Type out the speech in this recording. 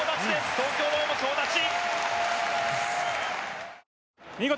東京ドーム、総立ち。